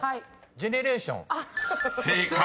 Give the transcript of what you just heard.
「ジェネレーション」［正解！